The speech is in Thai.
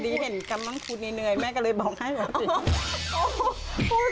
ทีนี้เห็นกำลังพูดเนี่ยแม่กลัวเลยบอกให้เรา